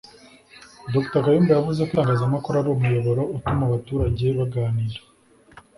Dr Kayumba yavuze ko itangazamakuru ari umuyoboro utuma abaturage baganira